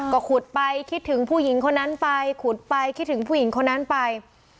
ก็ขุดไปคิดถึงผู้หญิงคนนั้นไปขุดไปคิดถึงผู้หญิงคนนั้นไป